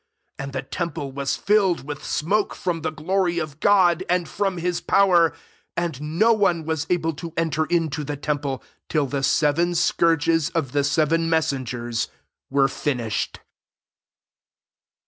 8 And the temple was filled with smoke from the glory of God, and from his power; and no one was able to enter into the temple, till the seven scourges of the seven messengers were finished.